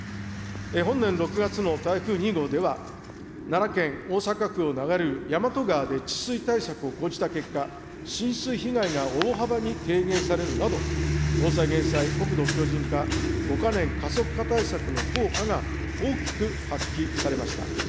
本年６月の台風２号では、奈良県、大阪府を流れる大和川で治水対策を講じた結果、浸水被害が大幅に軽減されるなど、防災・減災、国土強じん化５か年加速化対策の効果が大きく発揮されました。